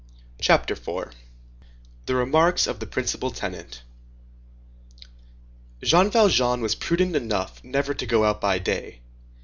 CHAPTER IV—THE REMARKS OF THE PRINCIPAL TENANT Jean Valjean was prudent enough never to go out by day.